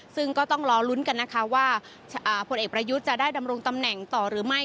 ซึ่งก็ต้องรอลุ้นกันนะคะว่าผลเอกประยุทธ์จะได้ดำรงตำแหน่งต่อหรือไม่